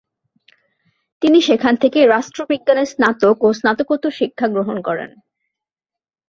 তিনি সেখান থেকে রাষ্ট্রবিজ্ঞানে স্নাতক ও স্নাতকোত্তর শিক্ষা গ্রহণ করেন।